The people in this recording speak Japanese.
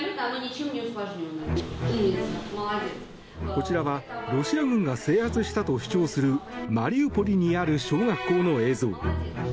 こちらはロシア軍が制圧したと主張するマリウポリにある小学校の映像。